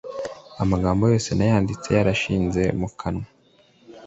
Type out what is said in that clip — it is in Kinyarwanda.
amagambo yose nayanditse yarashize mukanwa